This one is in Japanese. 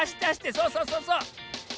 そうそうそうそう。